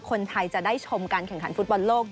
คนไทยจะได้ชมการแข่งขันฟุตบอลโลก